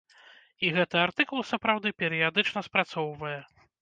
І гэты артыкул, сапраўды, перыядычна спрацоўвае.